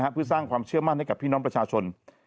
เพื่อสร้างความเชื่อมั่นให้กับพี่น้องประชาชน